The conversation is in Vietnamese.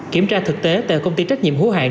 kiểm tra thực tế tại công ty trách nhiệm hữu hạng